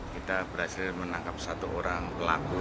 kita berhasil menangkap satu orang pelaku